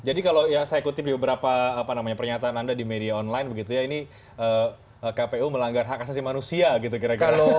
jadi kalau saya kutip di beberapa apa namanya pernyataan anda di media online begitu ya ini kpu melanggar hak asasi manusia gitu kira kira